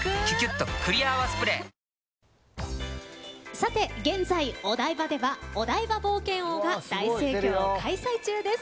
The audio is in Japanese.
さて、現在お台場ではお台場冒険王が大盛況開催中です。